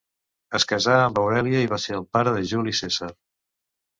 Es casà amb Aurèlia i va ser el pare de Juli Cèsar.